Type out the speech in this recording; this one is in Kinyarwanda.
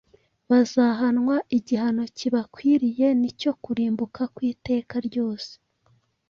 Bazahanwa igihano kibakwiriye, ni cyo kurimbuka kw’iteka ryose,